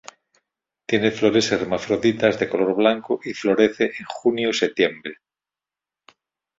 Tiene las flores hermafroditas de color blanco y florece en junio-septiembre.